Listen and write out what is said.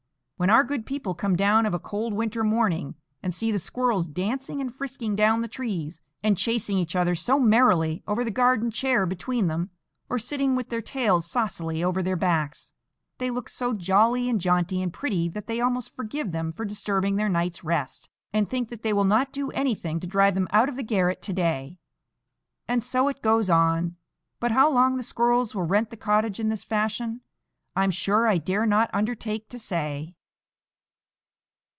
When our good people come down of a cold winter morning, and see the squirrels dancing and frisking down the trees, and chasing each other so merrily over the garden chair between them, or sitting with their tails saucily over their backs, they look so jolly and jaunty and pretty that they almost forgive them for disturbing their night's rest, and think that they will not do anything to drive them out of the garret to day. And so it goes on; but how long the squirrels will rent the cottage in this fashion, I'm sure I dare not undertake to say.